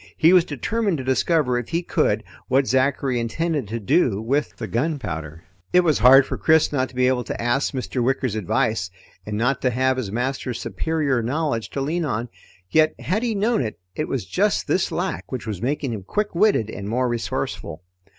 He was determined to discover if he could what Zachary intended to do with the gunpowder. It was hard for Chris not to be able to ask Mr. Wicker's advice and not to have his master's superior knowledge to lean on. Yet had he known it, it was just this lack which was making him quick witted and more resourceful.